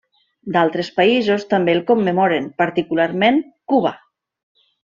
D'altres països també el commemoren, particularment Cuba.